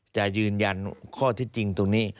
จะยืนยันข้อที่จริงตรงนี้